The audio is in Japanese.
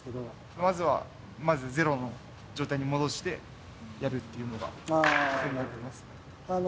まずはゼロの状態に戻してやるっていうのが基本にあります。